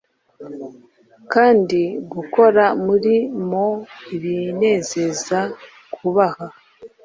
Kandi gukora muri moe ibinezeza kubaha